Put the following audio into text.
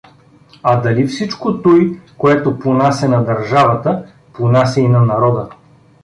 А дали всичко туй, което понася на държавата, понася и на народа?